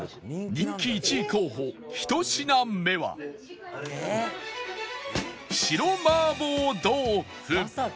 人気１位候補１品目は白麻婆豆腐